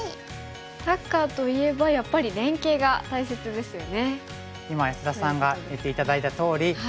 サッカーと言えばやっぱり連携が大切ですよね。